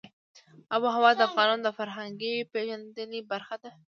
آب وهوا د افغانانو د فرهنګي پیژندنې برخه ده.